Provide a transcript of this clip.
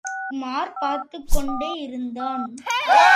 உமார் பார்த்துக் கொண்டே இருந்தான்.